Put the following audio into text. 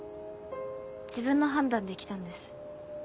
自分の判断で来たんです。